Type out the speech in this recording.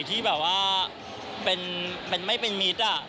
ที่แบบว่าไม่เป็นมิตรอ่ะ